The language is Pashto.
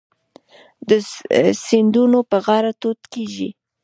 د سیندونو په غاړه توت کیږي.